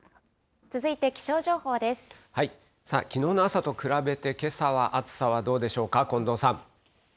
きのうの朝と比べて、けさは暑さはどうでしょうか、近藤さん。